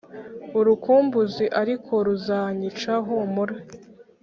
Urukumbuzi ariko ruzanyica humura.